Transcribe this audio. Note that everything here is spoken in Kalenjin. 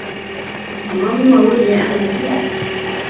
mwomwoun ye amechin.